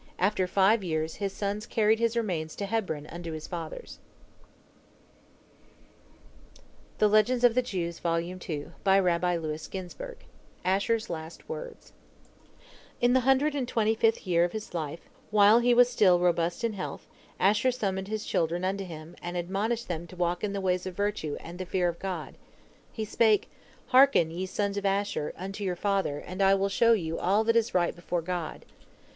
After five years, his sons carried his remains to Hebron unto his fathers. ASHER'S LAST WORDS In the hundred and twenty fifth year of his life, while be was still robust in health, Asher summoned his children unto him, and admonished them to walk in the ways of virtue and the fear of God. He spake: "Hearken, ye sons of Asher, unto your father, and I will show you all that is right before God.